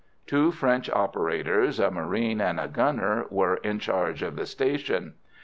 Two French operators, a marine and a gunner, were in charge of the station.